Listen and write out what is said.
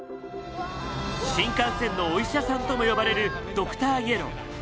新幹線のお医者さんとも呼ばれるドクターイエロー。